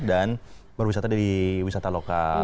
dan berwisata di wisata lokal